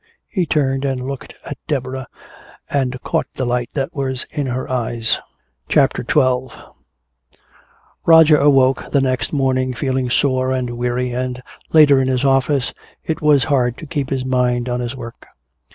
He turned and looked at Deborah and caught the light that was in her eyes. CHAPTER XII Roger awoke the next morning feeling sore and weary, and later in his office it was hard to keep his mind on his work.